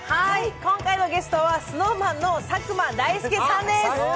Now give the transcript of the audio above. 今回のゲストはＳｎｏｗＭａｎの佐久間大介さんです。